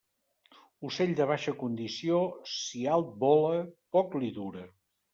Ocell de baixa condició, si alt vola, poc li dura.